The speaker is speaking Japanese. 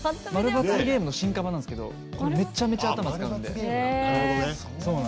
○×ゲームの進化版なんですけどめちゃめちゃ頭を使うので。